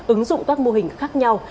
ứng dụng các mô hình khác nhau